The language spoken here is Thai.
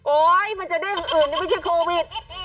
มันจะได้คนอื่นนี่ไม่ใช่โควิด